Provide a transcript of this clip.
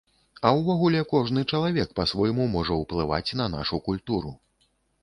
А ўвогуле, кожны чалавек па-свойму можа ўплываць на нашу культуру.